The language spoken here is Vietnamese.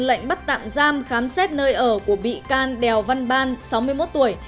lệnh bắt tạm giam khám xét nơi ở của bị can đèo văn ban sáu mươi một tuổi